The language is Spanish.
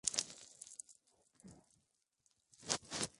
Perteneció a la Banda Departamental y diferentes orquestas como contrabajista.